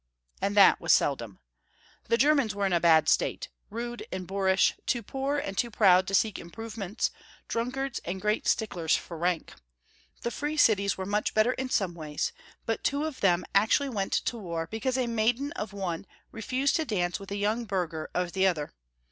And that was seldom. The Germans were in a bad state, rude and boorish, too poor and too proud to seek improvements, drunkards and great stick lers for rank. The free cities were much better in some ways, but two of them actually went to war because a maiden of one refused to dance with a young burgher of the other.